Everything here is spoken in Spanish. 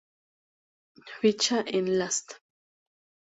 Ficha en lastfm